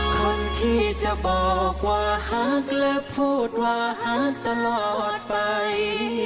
คนที่จะบอกว่าฮักและพูดว่าฮักตลอดไป